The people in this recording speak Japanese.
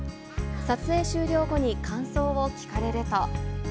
撮影終了後に感想を聞かれると。